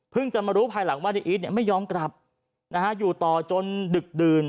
จะมารู้ภายหลังว่าในอีทไม่ยอมกลับนะฮะอยู่ต่อจนดึกดื่น